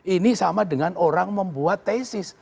ini sama dengan orang membuat tesis